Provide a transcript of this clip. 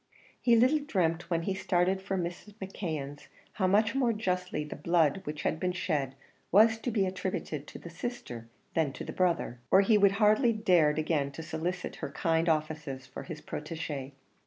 He little dreamt when he started for Mrs. McKeon's, how much more justly the blood which had been shed was to be attributed to the sister than to the brother, or he would hardly dared again to solicit her kind offices for his protegée.